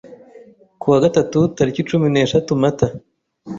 ku wa gatatu taliki cumi neshatu Mata